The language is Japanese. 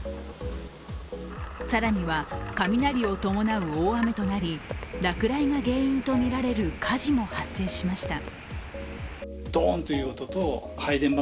更には雷を伴う大雨となり落雷が原因とみられる火事も発生しました。